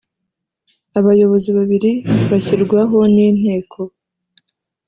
Abayobozi babiri bashyirwaho n inteko